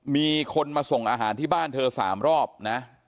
มีคนมาส่งอาหารที่บ้านเธอ๓รอบนะ